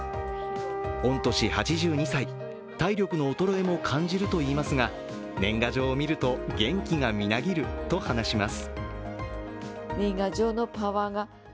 御年８２歳、体力の衰えも感じるといいますが年賀状を見ると元気がみなぎると話します。